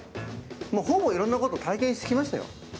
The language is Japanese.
ほぼいろんなこと体験してきましたよ。